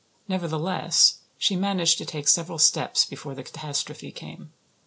Nevertheless, she managed to take several steps before the catastrophe came.